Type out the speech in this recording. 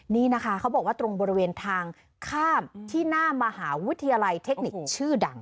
นี่นะคะเขาบอกว่าตรงบริเวณทางข้ามที่หน้ามหาวิทยาลัยเทคนิคชื่อดัง